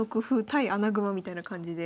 対穴熊みたいな感じで。